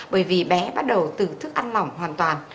bởi vì bé bắt đầu từ thức ăn lỏng hoàn toàn